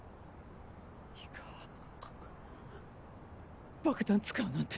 氷川爆弾使うなんて。